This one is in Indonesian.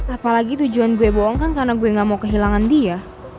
apalagi tujuan gue bohong kan karena gue gak mau kehilangan dia